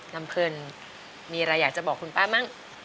น้ำเพลินมีอะไรอยากจะบอกคุณป้ามั้ง